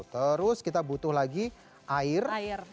terus kita butuh lagi air air